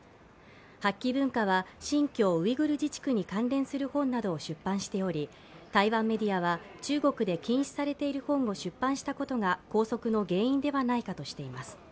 八旗文化は新疆ウイグル自治区に関連する本などを出版しており台湾メディアは中国で禁止されている本を出版したことが拘束の原因ではないかとしています。